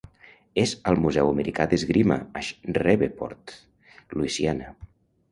És al Museu Americà d'Esgrima, a Shreveport, Louisiana.